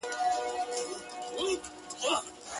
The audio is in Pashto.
زلفي راټال سي گراني.